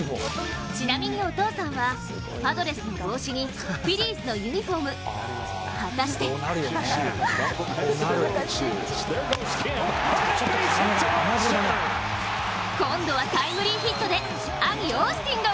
ちなみにお父さんはパドレスの帽子にフィリーズのユニフォーム、果たして今度はタイムリーヒットで兄・オースティンがＷＩＮ。